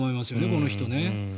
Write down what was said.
この人ね。